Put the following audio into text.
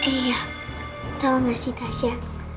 iya tau gak sih tasya